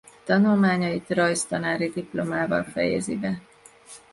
Tanulmányait rajztanári diplomával fejezi be.